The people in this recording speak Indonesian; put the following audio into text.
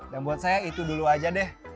dan buat saya itu dulu aja deh